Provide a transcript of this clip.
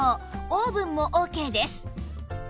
オーブンもオーケーです